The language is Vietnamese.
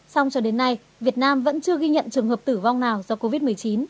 xong cho đến nay việt nam vẫn chưa ghi nhận trường hợp tử vong nào do covid một mươi chín